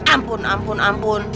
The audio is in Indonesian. ampun ampun ampun